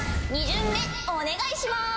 ２巡目お願いします。